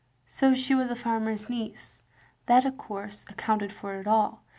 So she was a farmer's niece. That of cou^e accotinted for it all.